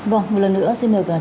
vâng một lần nữa xin mời quý vị